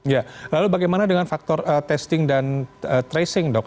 ya lalu bagaimana dengan faktor testing dan tracing dok